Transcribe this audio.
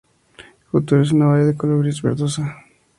El fruto es una baya de color gris verdosa.